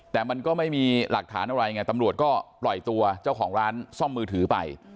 แต่มันก็ไม่มีหลักฐานอะไรไงตำรวจก็ปล่อยตัวเจ้าของร้านซ่อมมือถือไป